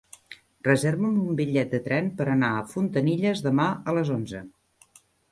Reserva'm un bitllet de tren per anar a Fontanilles demà a les onze.